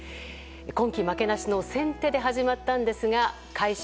今季負けなしの先手で始まったんですが開始